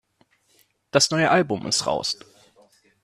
Das neue Album ist raus.